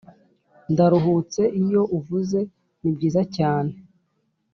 ndaruhutse iyo uvuze, nibyiza cyane